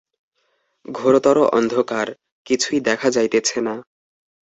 ঘােরতর অন্ধকার, কিছুই দেখা যাইতেছে না।